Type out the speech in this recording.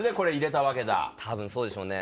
たぶんそうでしょうね。